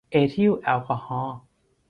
เอทิลแอลกอฮอล์